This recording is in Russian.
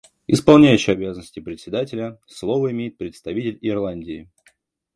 Исполняющий обязанности Председателя: Слово имеет представитель Ирландии.